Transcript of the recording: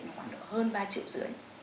nó khoảng độ hơn ba triệu rưỡi